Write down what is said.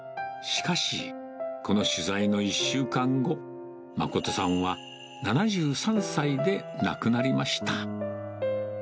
しかし、この取材の１週間後、誠さんは７３歳で亡くなりました。